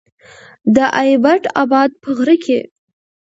د ايبټ اباد په غره کې